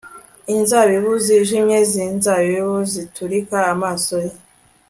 inzabibu zijimye zinzabibu ziturika, amaso ye